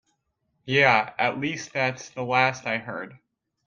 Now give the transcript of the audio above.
Yeah, at least that's the last I heard.